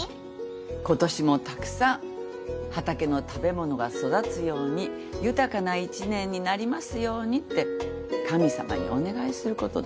今年もたくさん畑の食べ物が育つように豊かな１年になりますようにって神様にお願いすることだ。